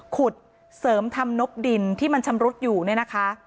ขุดเสริมทำนบดินที่มันชำรุดอยู่เนี่ยนะคะ